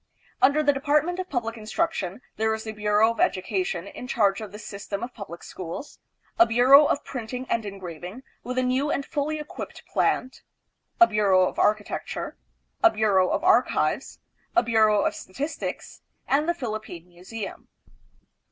Under the Department of Public Instruction there is the Bureau of Education in charge of the system of public schools ; a Bureau of Printing and Engraving, with a new and fully equipped plant; a Bureau of Architecture; a Bureau of Archives; a Bureau of Statistics; and the Philippine Museum.